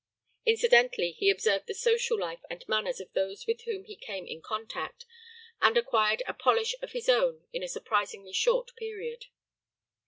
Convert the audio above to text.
Incidentally he observed the social life and manners of those with whom he came in contact, and acquired a polish of his own in a surprisingly short period.